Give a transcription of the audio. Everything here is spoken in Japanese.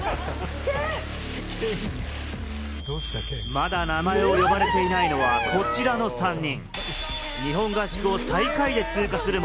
まだ名前を呼ばれていないのは、こちらの３人。